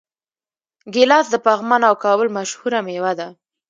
ګیلاس د پغمان او کابل مشهوره میوه ده.